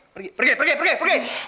pergi pergi pergi